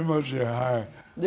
はい。